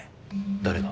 誰が？